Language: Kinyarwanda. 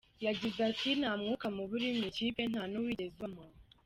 Yagize ati “Nta mwuka mubi uri mu ikipe, nta n’uwigeze ubamo.